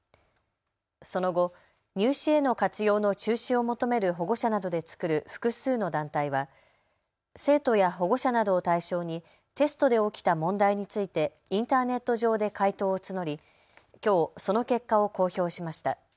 その後、入試への活用の中止を求める保護者などで作る複数の団体は生徒や保護者などを対象にテストで起きた問題についてインターネット上で回答を募りきょう、その結果を公表しました。